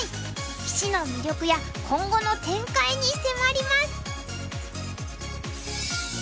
棋士の魅力や今後の展開に迫ります。